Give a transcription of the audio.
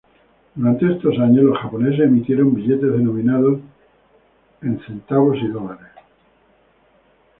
Durante estos años, los japoneses emitieron billetes denominados en centavos y dólares.